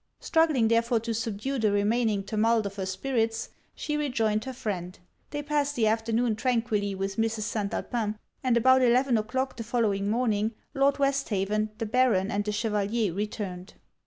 Struggling therefore to subdue the remaining tumult of her spirits, she rejoined her friend. They passed the afternoon tranquilly with Mrs. St. Alpin; and about eleven o'clock the following morning, Lord Westhaven, the Baron, and the Chevalier, returned.